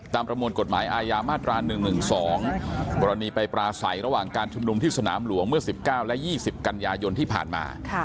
ประมวลกฎหมายอาญามาตรา๑๑๒กรณีไปปราศัยระหว่างการชุมนุมที่สนามหลวงเมื่อ๑๙และ๒๐กันยายนที่ผ่านมา